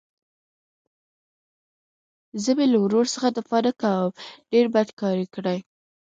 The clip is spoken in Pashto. زه مې له ورور څخه دفاع نه کوم ډېر بد کار يې کړى.